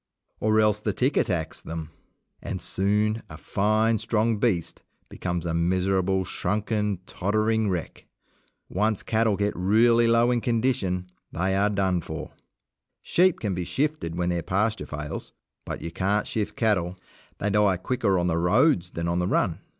Or else the tick attacks them, and soon a fine, strong beast becomes a miserable, shrunken, tottering wreck. Once cattle get really low in condition they are done for. Sheep can be shifted when their pasture fails, but you can't shift cattle. They die quicker on the roads than on the run.